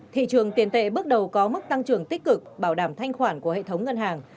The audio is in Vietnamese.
thị trường tiền tệ bước đầu có mức tăng trưởng tích cực bảo đảm thanh khoản của hệ thống ngân hàng